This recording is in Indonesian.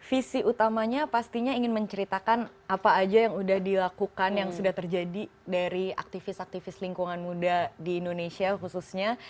visi utamanya pastinya ingin menceritakan apa aja yang sudah dilakukan yang sudah terjadi dari aktivis aktivis lingkungan muda di indonesia khususnya